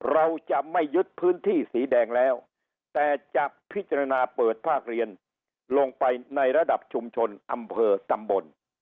เราจะไม่ยึดพื้นที่สีแดงแล้วแต่จะพิจารณาเปิดภาคเรียนลงไปในระดับชุมชนอำเภอตำบล